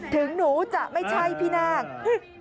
ถึงหนูจะไม่ใช่พี่นาค